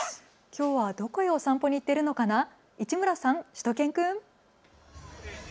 きょうはどこへお散歩に行っているのかな、市村さん、しゅと犬くん。